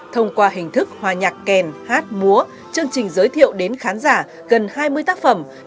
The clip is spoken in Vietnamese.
thông qua hình thức hòa nhạc kèn hát múa chương trình giới thiệu đến khán giả gần hai mươi tác phẩm